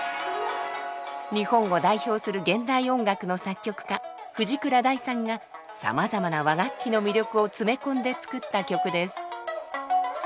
日本を代表する現代音楽の作曲家藤倉大さんがさまざまな和楽器の魅力を詰め込んで作った曲です。